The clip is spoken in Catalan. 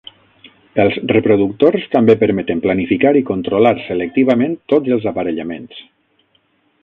Els reproductors també permeten planificar i controlar selectivament tots els aparellaments.